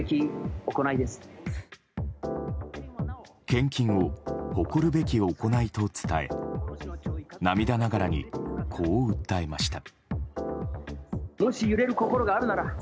献金を誇るべき行いと伝え涙ながらに、こう訴えました。